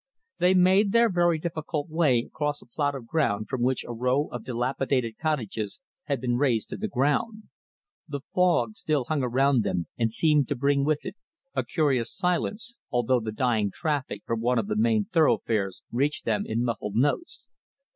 They made their very difficult way across a plot of ground from which a row of dilapidated cottages had been razed to the ground. The fog still hung around them and seemed to bring with it a curious silence, although the dying traffic from one of the main thoroughfares reached them in muffled notes.